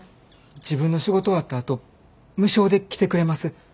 自分の仕事終わったあと無償で来てくれます。